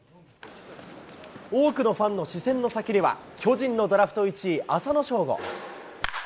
多くのファンの視線の先には、巨人のドラフト１位、浅野翔吾。